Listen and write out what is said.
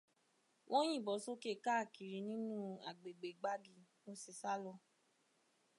Wọ́n yìbọn sókè káàkiri nínú agbègbè Gbági, mo sì sá lọ.